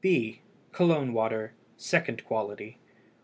B. COLOGNE WATER (SECOND QUALITY).